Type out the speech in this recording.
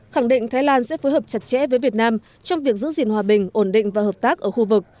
khẳng định thái lan sẽ phối hợp chặt chẽ với việt nam trong việc giữ gìn hòa bình ổn định và hợp tác ở khu vực